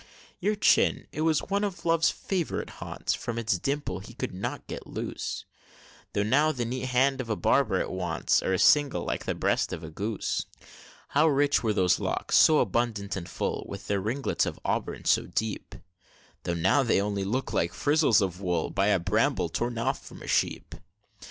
Your chin, it was one of Love's favorite haunts, From its dimple he could not get loose; Though now the neat hand of a barber it wants, Or a singe, like the breast of a goose! How rich were those locks, so abundant and full, With their ringlets of auburn so deep! Though now they look only like frizzles of wool, By a bramble torn off from a sheep!